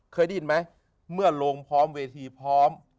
เคยได้ยินไหมเมื่อลงพร้อมเวทีพร้อม